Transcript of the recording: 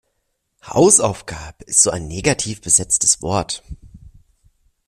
Hausaufgabe ist so ein negativ besetztes Wort.